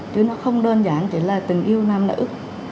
chứ nó không đơn giản chỉ là tình yêu nam nữ